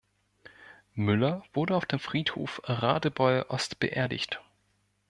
Müller wurde auf dem Friedhof Radebeul-Ost beerdigt.